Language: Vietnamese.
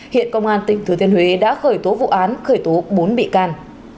hiện công an tỉnh thừa thiên huế đã khởi tố vụ án khởi tố bốn bị can